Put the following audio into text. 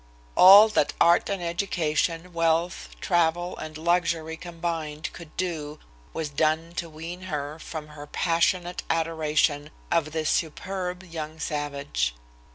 All that art and education, wealth, travel and luxury combined could do, was done to wean her from her passionate adoration of this superb young savage.